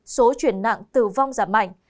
số chuyển nặng tử vong giảm mạnh